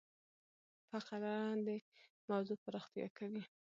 فقره د موضوع پراختیا کوي.